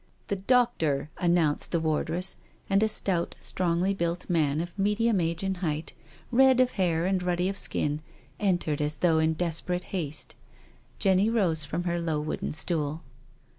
" The doctor," announced the wardress, and a stout, strongly built man of m^edium age and height, red of hair and ruddy of skin, entered as though in desperate haste. Jenny rose from her low wooden stool.